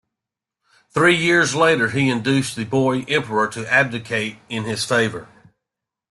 Three years later, he induced the boy emperor to abdicate in his favour.